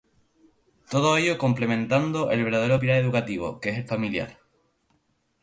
Todo ello complementando el verdadero pilar educativo, que es el familiar.